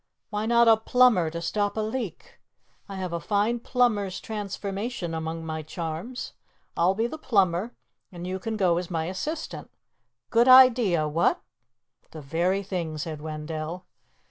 Why not a plumber to stop a leak? I have a fine plumber's transformation among my charms. I'll be the plumber and you can go as my assistant. Good idea, what?" "The very thing," said Wendell.